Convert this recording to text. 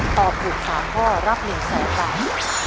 ตอบถูก๓ข้อรับ๑๐๐๐บาท